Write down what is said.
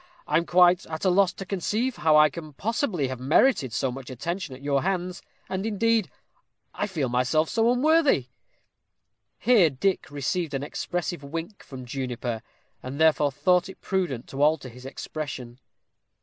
I am quite at a loss to conceive how I can possibly have merited so much attention at your hands; and, indeed, I feel myself so unworthy " Here Dick received an expressive wink from Juniper, and therefore thought it prudent to alter his expression.